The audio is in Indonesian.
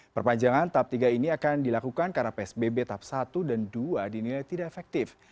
perpanjangan tahap tiga ini akan dilakukan karena psbb tahap satu dan dua dinilai tidak efektif